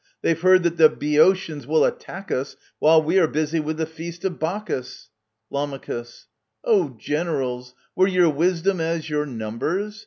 They've heard that the Boeotians will attack us While we are busy with the feast of Bacchus. Lam. Oh, generals, were your wisdom as your numbers